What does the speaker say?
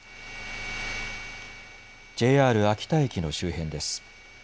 ＪＲ秋田駅の周辺です。